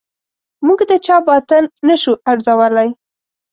موږ د چا باطن نه شو ارزولای.